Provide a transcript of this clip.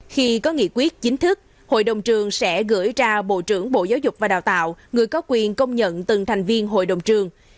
khi có nghị quyết chính thức hội đồng trường sẽ gửi ra bộ trưởng bộ giáo dục và đào tạo người có quyền công nhận từng thành viên hội đồng trường